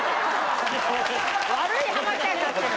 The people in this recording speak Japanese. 悪い浜ちゃんになってる。